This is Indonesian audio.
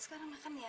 sekarang makan ya